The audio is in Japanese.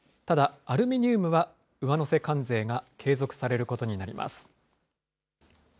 ただ、アルミニウムは上乗せ関税が継続されることになります。